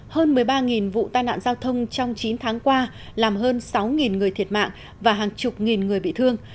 hơn một mươi ba vụ tai nạn giao thông trong chín tháng qua làm hơn sáu người thiệt mạng và hàng chục nghìn người bị thương